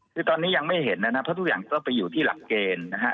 คือตอนนี้ยังไม่เห็นนะครับเพราะทุกอย่างต้องไปอยู่ที่หลักเกณฑ์นะฮะ